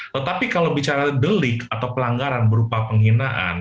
tetapi kalau bicara delik atau pelanggaran berupa penghinaan